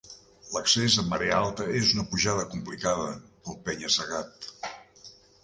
L'accés amb marea alta és una pujada complicada pel penya-segat.